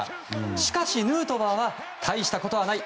しかしヌートバーは大したことはない